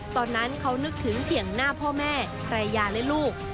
ตอนนั้นเขานึกถึงเพียงหน้าพ่อแม่ภรรยาและลูก